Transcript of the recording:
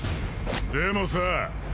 でもさ！